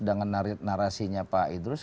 dengan narasinya pak idrus